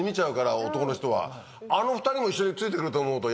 男の人はあの２人も一緒についてくると思うと。